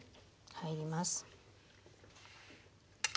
入ります。